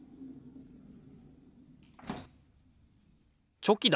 チョキだ。